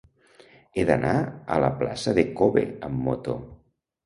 He d'anar a la plaça de K-obe amb moto.